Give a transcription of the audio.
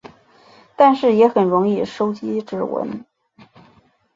但是也很容易收集指纹。